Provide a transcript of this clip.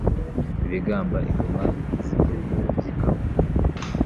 Ibigamba Ingoma z'ibyegera by'ingabe